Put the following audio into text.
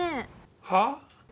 はあ？